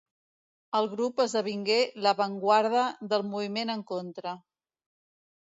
El grup esdevingué l'avantguarda del moviment en contra.